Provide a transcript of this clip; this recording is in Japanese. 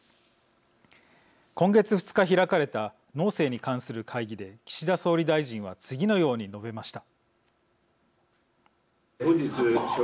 今月２日開かれた農政に関する会議で岸田総理大臣は次のように述べました。